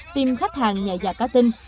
tìm khách hàng nhạy và cá tinh